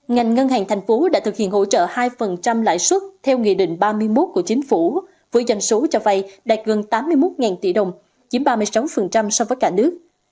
ngành ngân hàng thành phố đã thực hiện hỗ trợ hai lãi suất theo nghị định ba mươi một của chính phủ với doanh số cho vay đạt gần tám mươi một tỷ đồng chiếm ba mươi sáu so với cả nước